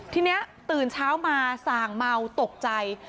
ทีนี้ตื่นเช้ามาส่างเมาตกใจ